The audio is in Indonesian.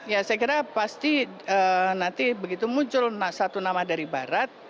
ya saya kira pasti nanti begitu muncul satu nama dari barat